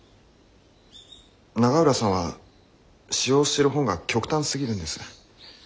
永浦さんは使用してる本が極端すぎるんです。